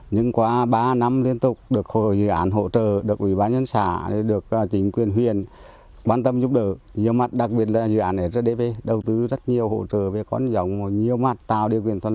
những năm qua huyện tuyên hóa đã xây dựng và phát triển thương hiệu mật ong tuyên hóa